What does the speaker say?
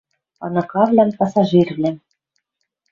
Ыныкавлӓм-пассажирвлӓм